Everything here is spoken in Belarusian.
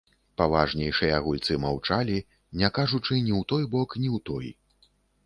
Паважнейшыя гульцы маўчалі, не кажучы ні ў той бок, ні ў той.